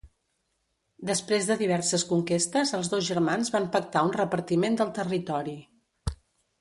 Després de diverses conquestes els dos germans van pactar un repartiment del territori.